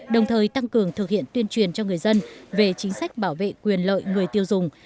đồng thời tăng cường thực hiện tuyên truyền cho người dân về chính sách bảo vệ quyền lợi người tiêu dùng